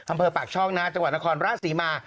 อำเภอปากช่องนะจังหวัดนครราชศรีมา